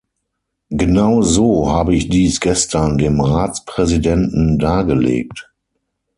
Genau so habe ich dies gestern dem Ratspräsidenten dargelegt.